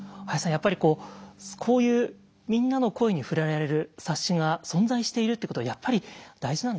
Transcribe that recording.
やっぱりこういうみんなの声に触れられる冊子が存在しているってことは大事なんですね。